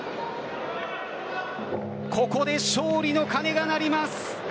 ここで勝利の鐘が鳴ります。